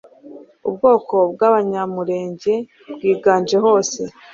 Ubwoko bw'Abanyamulenge bwiganje hose